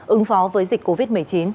ứng phó với dịch covid một mươi chín